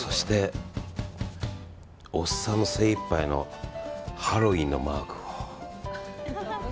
そして、おっさんの精いっぱいのハロウィーンのマークを。